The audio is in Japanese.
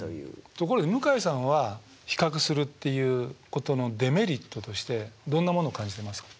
ところで向井さんは比較するっていうことのデメリットとしてどんなものを感じてますか？